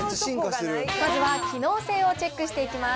まずは機能性をチェックしていきます。